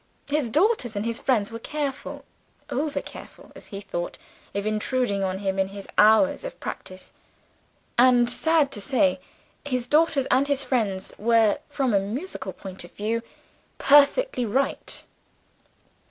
His daughters and his friends were careful over careful, as he thought of intruding on him in his hours of practice. And, sad to say, his daughters and his friends were, from a musical point of view, perfectly right.